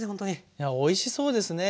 いやおいしそうですね。